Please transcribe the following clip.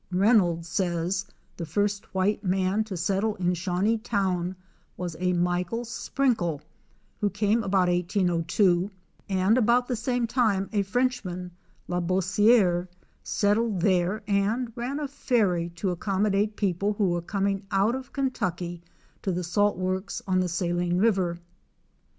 Rey nolds says the first white man to settle in Shawneetown was Michael Sprinkle who came about 1802, and about the same time a French man La Boissiere settled there and ran a ferry to accomodate people who were coming out of Kentucky to the salt works on the Saline river.